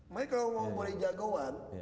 makanya kalau ngomong boleh jagoan